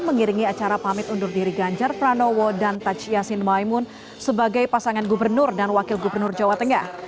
mengiringi acara pamit undur diri ganjar pranowo dan taj yassin maimun sebagai pasangan gubernur dan wakil gubernur jawa tengah